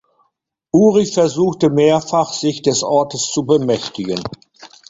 Uri versuchte mehrfach, sich des Ortes zu bemächtigen.